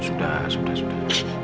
sudah sudah sudah